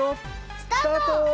スタート！